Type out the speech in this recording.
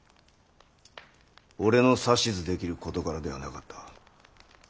俺の指図できる事柄ではなかった。